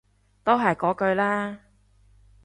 都係嗰句啦